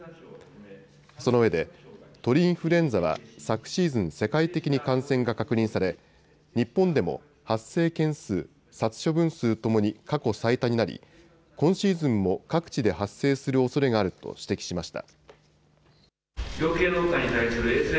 そのうえで鳥インフルエンザは昨シーズン、世界的に感染が確認され日本でも発生件数、殺処分数ともに過去最多になり今シーズンも各地で発生するおそれがあると指摘しました。